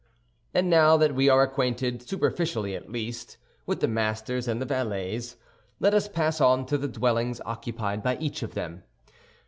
And now that we are acquainted, superficially at least, with the masters and the valets, let us pass on to the dwellings occupied by each of them.